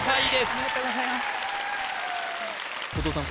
ありがとうございます後藤さん